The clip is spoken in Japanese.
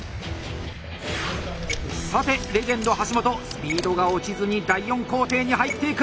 さてレジェンド橋本スピードが落ちずに第４工程に入っていく！